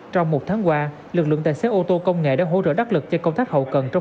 trong một tháng qua lực lượng tài xế ô tô công nghệ đã hỗ trợ đắc lực cho công tác hậu cần trong